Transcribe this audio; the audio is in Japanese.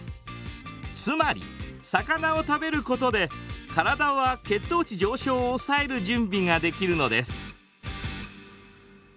つまり魚を食べることで体は血糖値上昇を抑える準備ができるのです。